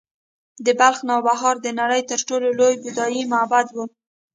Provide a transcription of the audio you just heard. د بلخ نوبهار د نړۍ تر ټولو لوی بودايي معبد و